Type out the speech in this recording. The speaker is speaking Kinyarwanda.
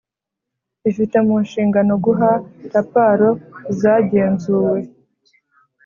ifite mu nshingano guha raparo izagenzuwe.